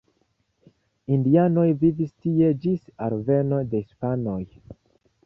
Indianoj vivis tie ĝis alveno de hispanoj.